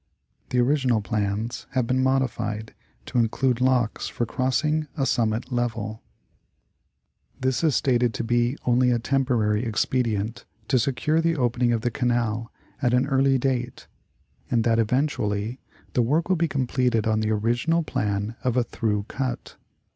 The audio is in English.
The original plans have been modified to include locks for crossing "a summit level." 11 132 National Geographic Magazine. This is stated to be only a temporary expedient to secure the opening of the canal at an early date, and that eventually the work will be completed on the original plan of a " through cut."